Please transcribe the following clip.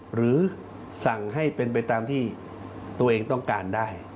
หรือสั่งให้เป็นไปตามที่ตัวเองต้องการได้